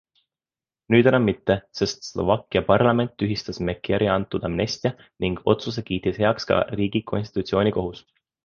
Nüüd enam mitte, sest Slovakkia parlament tühistas Meciari antud amnestia ning otsuse kiitis heaks ka riigi konstitutsioonikohus.